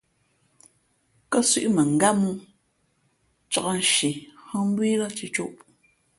Kάsʉ̄ʼ mαngát mōō, cāk nshi hᾱ mbū î lά cʉ̌côʼ.